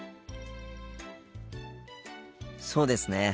そうですね。